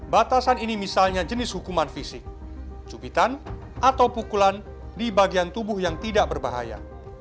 batasan ini misalnya jenis hukuman fisik cubitan atau pukulan di bagian tubuh yang tidak berbahaya